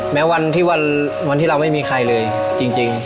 แม้วันที่เราไม่มีใครเลยจริง